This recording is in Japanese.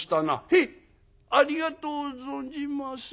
「へいありがとう存じます」。